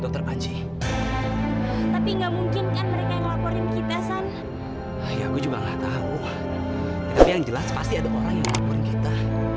tapi yang jelas pasti ada orang yang laporin kita